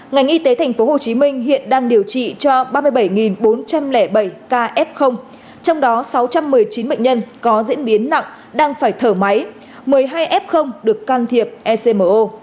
ngành y tế thành phố hồ chí minh hiện đang điều trị cho ba mươi bảy bốn trăm linh bảy ca f trong đó sáu trăm một mươi chín bệnh nhân có diễn biến nặng đang phải thở máy một mươi hai f được can thiệp ecmo